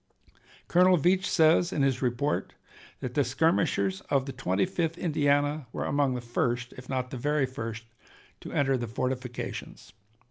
Colonel Veatch says in his report that the skirmishers of the Twenty fifth Indiana were among the first, if not the very first, to enter the fortifications.